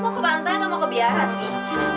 lo ke pantai atau mau ke biara sih